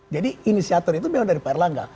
jadi inisiator itu memang dari pak erlangga